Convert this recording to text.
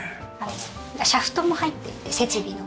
シャフトも入っていて設備の。